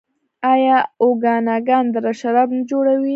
آیا اوکاناګن دره شراب نه جوړوي؟